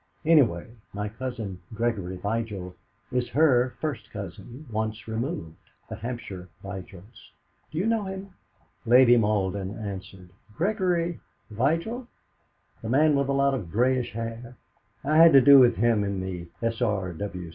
Anyway, my cousin, Gregory Vigil, is her first cousin once removed the Hampshire Vigils. Do you know him?" Lady Malden answered: "Gregory Vigil? The man with a lot of greyish hair? I've had to do with him in the S.R.